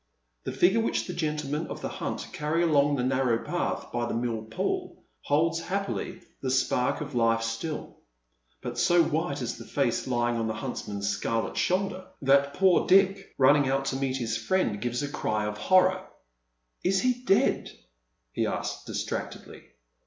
The figiu e which the gentlemen of the hunt carry along the narrow path by the mill pool holds happily the spark of life still, but go white is the face lying on the huntsman's scarlet shoulder 2W Dead Men's Shoes. that poor Dick, ninning out to meet his friend, ^vea a cry oC horror. " Is he dead ?" he asks, distractedly.